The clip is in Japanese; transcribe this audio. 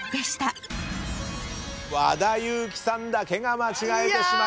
和田優希さんだけが間違えてしまいました。